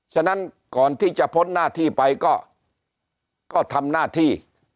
ฉะนั้นก่อนที่จะพ้นหน้าที่ไปก็ทำหน้าที่